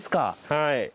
はい。